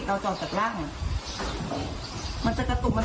เค้าต้องการยาทิ้งตุ้ยนะ